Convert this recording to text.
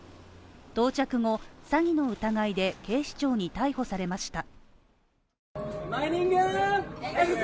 到着後、詐欺の疑いで警視庁に逮捕されました。